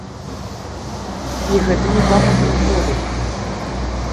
І гэта не пафасныя словы.